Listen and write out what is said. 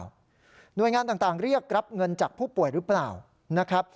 หน่วยงานต่างเรียกรับเงินจากผู้ป่วยหรือเปล่านะครับ